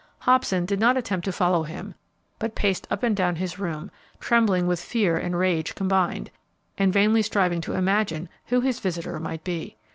Hobson did not attempt to follow him, but paced up and down his room, trembling with fear and rage combined, and vainly striving to imagine who his visitor might be.